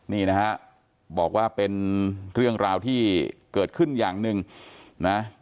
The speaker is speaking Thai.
นี่นะฮะบอกว่าเป็นเรื่องราวที่เกิดขึ้นอย่างหนึ่งนะ